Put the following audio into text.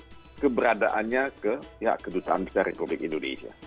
belum mendaftarkan keberadaannya ke kedutaan besar republik indonesia